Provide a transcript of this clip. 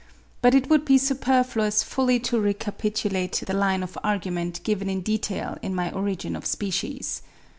But it would be superfluous fully to recapitulate the line of argument given in detail in my 'Origin of Species.